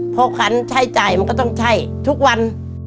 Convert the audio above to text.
เพราะเค้างใช้จ่ายมันก็ต้องใช้ทุกวัน